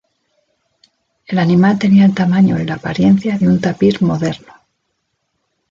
El animal tenía el tamaño y la apariencia de un tapir moderno.